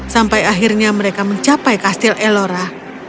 sampai akhirnya mereka mencapai kastil ellora